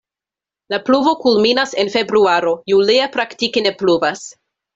La pluvo kulminas en februaro, julie praktike ne pluvas.